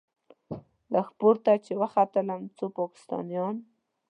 لږ پورته چې وختلم څو پاکستانيان.